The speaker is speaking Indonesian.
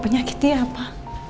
penyakit dia apa